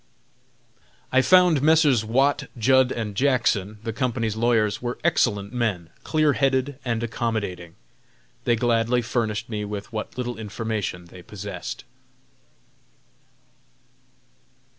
I found Messrs. Watts, Judd & Jackson, the company's lawyers, were excellent men, clear headed and accommodating. They gladly furnished me with what little information they possessed.